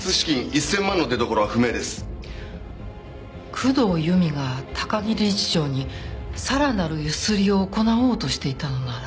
工藤由美が高木理事長にさらなる強請りを行おうとしていたのなら。